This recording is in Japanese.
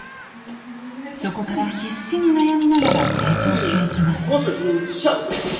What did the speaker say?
そこから必死に悩みながら成長していきます。